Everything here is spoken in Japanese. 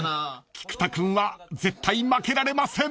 ［菊田君は絶対負けられません］